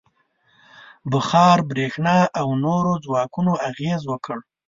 • بخار، برېښنا او نورو ځواکونو اغېز وکړ.